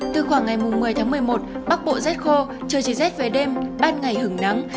từ khoảng ngày một mươi tháng một mươi một bắc bộ rét khô trời chỉ rét về đêm ban ngày hứng nắng